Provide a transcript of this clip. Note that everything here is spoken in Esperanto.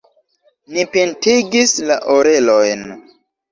Ni pintigis la orelojn.